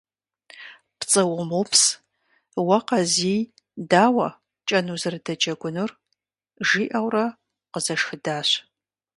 «ПцӀы умыупс, уэ Къазий дауэ кӀэн узэрыдэджэгуныр?» - жиӀэурэ къызэшхыдащ.